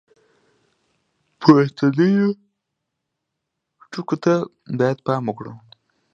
پورتنیو ټکو ته باید پام وکړو.